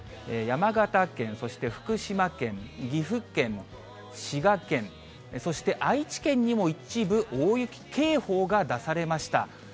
山形県、そして福島県、岐阜県、滋賀県、そして愛知県にも一部、大雪警報が出されました。